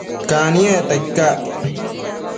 Caniecta icac?